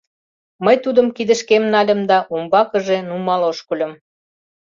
Мый тудым кидышкем нальым да умбакыже нумал ошкыльым.